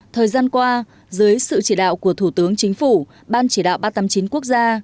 thời gian qua dưới sự chỉ đạo của thủ tướng chính phủ ban chỉ đạo ba trăm tám mươi chín quốc gia